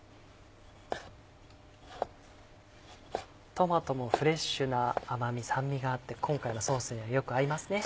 トマトもフレッシュな甘み酸味があって今回のソースにはよく合いますね。